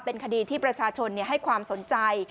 เป็นคดีที่ประชาชนให้ความสนใจ